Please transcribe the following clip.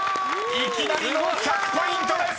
［いきなりの１００ポイントです！］